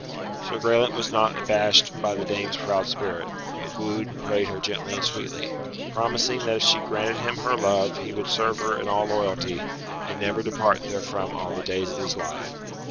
Sir Graelent was not abashed by the dame's proud spirit, but wooed and prayed her gently and sweetly, promising that if she granted him her love he would serve her in all loyalty, and never depart therefrom all the days of his life.